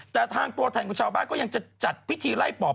แต่ทางตัวแทนของชาวบ้านก็ยังจะจัดพิธีไล่ปอบ